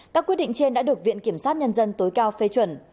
các quyết định trên đã được viện kiểm sát nhân dân tối cao phê chuẩn